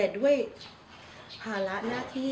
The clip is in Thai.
ด้วยภาระหน้าที่